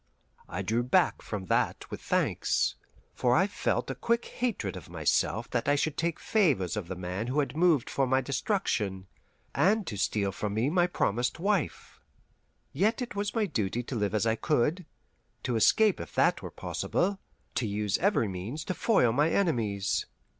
I drew back from that with thanks, for I felt a quick hatred of myself that I should take favours of the man who had moved for my destruction, and to steal from me my promised wife. Yet it was my duty to live if I could, to escape if that were possible, to use every means to foil my enemies.